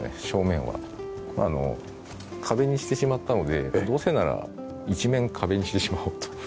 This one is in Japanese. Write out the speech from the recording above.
正面は壁にしてしまったのでどうせなら一面壁にしてしまおうと。